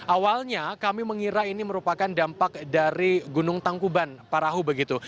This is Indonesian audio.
awalnya kami mengira ini merupakan dampak dari gunung tangkuban parahu begitu